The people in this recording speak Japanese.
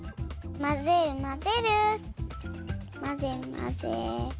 まぜまぜ。